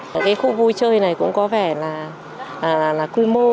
cái khu vui chơi này cũng có vẻ là cu mô